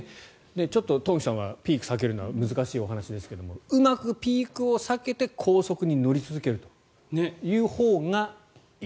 トンフィさんはピークを避けるのが難しいお話ですがうまくピークを避けて高速に乗り続けるというほうがいい。